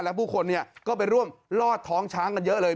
และผู้คนก็ไปร่วมลอดท้องช้างกันเยอะเลย